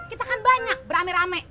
kita kan banyak beramai ramai